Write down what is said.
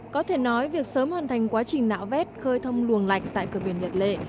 có thể nói việc sớm hoàn thành quá trình nạo vét khơi thông luồng lạch tại cửa biển nhật lệ